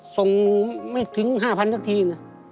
ส่งไม่ถึง๕๐๐สักทีนะ